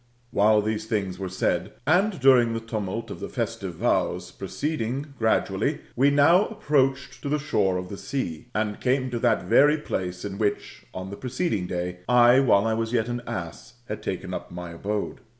While these things were said, and during the tumult of the festive vows, proceeding gradually, we now approached to the shore of the sea, and came to that very place in which, on the preceeding day, I, while I was yet an ass, had taken up my abode.